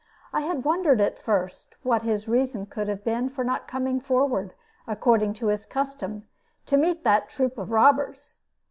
I had wondered at first what his reason could have been for not coming forward, according to his custom, to meet that troop of robbers.